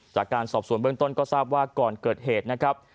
จากการสอบส่วนเบื้องต้นก็ทราบว่าก่อนเกิดเหตุนะครับ